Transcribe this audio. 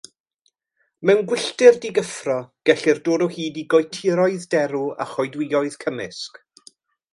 Mewn gwylltir digyffro, gellir dod o hyd i goetiroedd derw a choedwigoedd cymysg.